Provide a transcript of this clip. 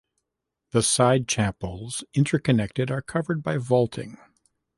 The side chapels, interconnected, are covered by vaulting.